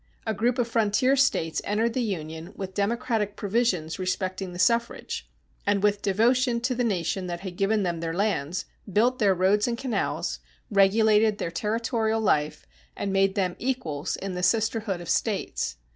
A group of frontier States entered the Union with democratic provisions respecting the suffrage, and with devotion to the nation that had given them their lands, built their roads and canals, regulated their territorial life, and made them equals in the sisterhood of States.